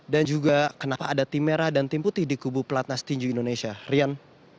dan juga kenapa ada tim merah dan tim putih di kubu pelatnas tinju indonesia rian